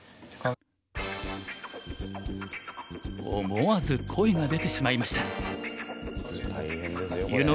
思わず声が出てしまいました。